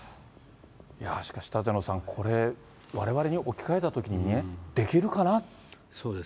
いやー、しかし、舘野さん、これ、われわれに置き換えたときにね、できるかなって。